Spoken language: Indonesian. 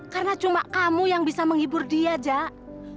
karena cuma kamu yang bisa menghibur dia jak